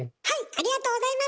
ありがとうございます！